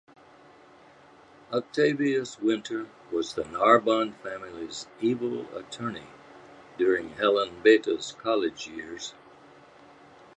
Octavius Winter was the Narbon family's Evil Attorney during Helen Beta's college years.